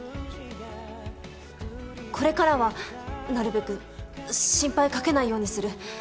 これからはなるべく心配かけないようにする。